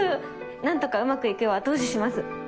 何とかうまくいくよう後押しします。